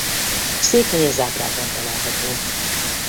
Székhelye Zágrábban található.